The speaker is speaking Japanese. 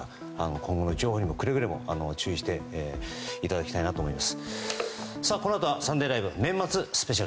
今後の情報にもくれぐれも注意していただきたいと思います。